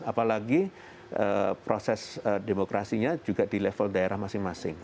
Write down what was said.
apalagi proses demokrasinya juga di level daerah masing masing